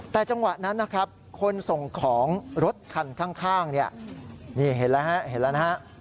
แต่จังหวะนั้นคนส่งของรถคันข้างนี่เห็นแล้วนะ